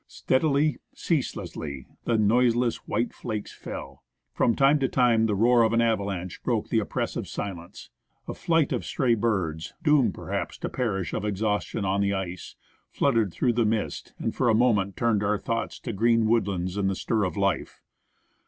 Steadily, ceaselessly, the noiseless white flakes fell. From time to time the roar of an ava lanche broke the oppressive silence. A flight of stray birds, doomed perhaps to perish of exhaustion on the ice, fluttered through the 135 THE ASCENT OF MOUNT ST. ELIAS mist, and for a moment turned our thoughts to green woodlands and the stir of life.